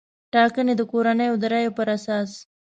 ټاګنې د کورنیو د رایې پر اساس